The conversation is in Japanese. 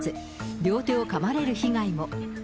両手をかまれる被害も。